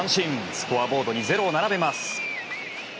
スコアボードに０を並べます。